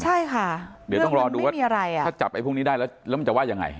ใช่ค่ะเดี๋ยวต้องรอดูว่าถ้าจับไอ้พวกนี้ได้แล้วแล้วมันจะว่ายังไง